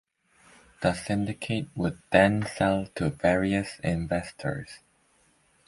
The syndicate would then sell to various investors.